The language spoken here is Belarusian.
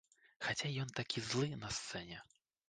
Хаця ён такі злы на сцэне.